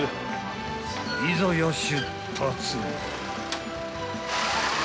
［いざや出発］